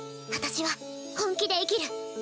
私は本気で生きる。